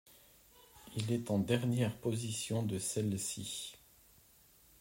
Il est en dernière position de celle-ci.